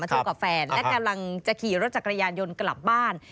เธอกับแฟนและกำลังจะขี่รถจักรยานยนต์กลับบ้าน